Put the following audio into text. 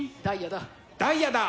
ダイヤだ。